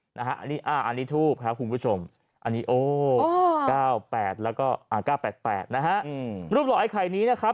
อันนี้ทูบค่ะคุณผู้ชมอันนี้โอ้ไอ้ไข่นี้นะครับ